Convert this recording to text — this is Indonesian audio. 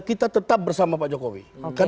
kita tetap bersama pak jokowi kan